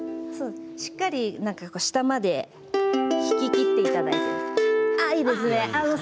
しっかり下まで弾ききっていただいて。